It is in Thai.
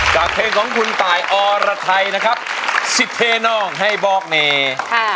กับเพลงของคุณตายอรไทยนะครับสิเทนองให้บอกเนค่ะ